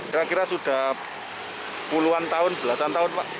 kira kira sudah puluhan tahun belasan tahun pak